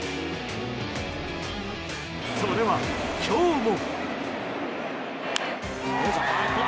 それは、今日も。